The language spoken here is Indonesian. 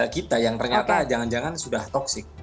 kita yang ternyata jangan jangan sudah toxic